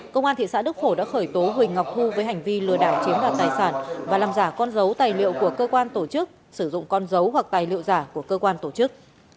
công an thị xã đức phổ đã khởi tố huỳnh ngọc hưu với hành vi lừa đảo chiếm đoạt tài sản và làm giả con dấu tài liệu của cơ quan tổ chức sử dụng con dấu hoặc tài liệu giả của cơ quan tổ chức